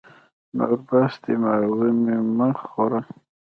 نور بس دی ، ماغزه مي مه خوره !